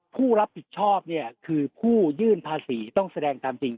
ผู้รับผิดชอบเนี่ยคือผู้ยื่นภาษีต้องแสดงตามจริง